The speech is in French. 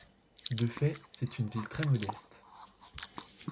De fait, c'est une ville très modeste.